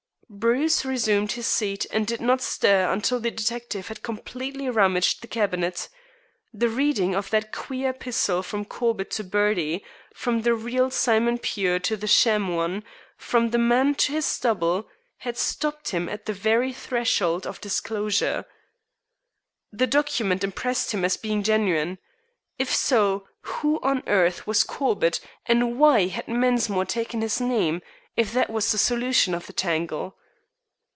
Bruce resumed his seat, and did not stir until the detective had completely rummaged the cabinet. The reading of that queer epistle from Corbett to "Bertie" from the real Simon Pure to the sham one from one man to his double had stopped him at the very threshold of disclosure. The document impressed him as being genuine. If so, who on earth was Corbett, and why had Mensmore taken his name, if that was the solution of the tangle?